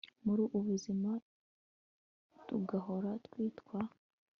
muri ubu buzima, tugahora twitwa